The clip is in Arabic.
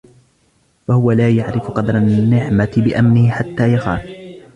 فَهُوَ لَا يَعْرِفُ قَدْرَ النِّعْمَةِ بِأَمْنِهِ حَتَّى يَخَافَ